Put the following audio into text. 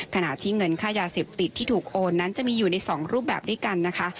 ขณะที่เงินค่ายาเสพติดที่ถูกโอนนั้นจะมีอยู่ใน๒รูปแบบด้วยกันนะคะ